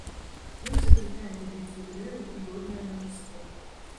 Ён заклікае да бітвы дрэвы і воднае бажаство.